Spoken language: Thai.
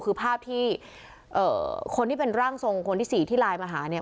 คือภาพที่เอ่อคนที่เป็นร่างทรงคนที่สี่ที่ไลน์มาหาเนี่ย